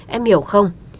em hiểu không